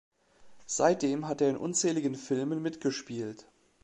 Seitdem hat er in unzähligen Filmen mitgespielt.